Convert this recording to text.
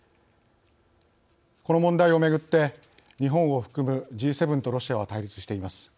この問題をめぐって日本を含むＧ７とロシアは対立しています。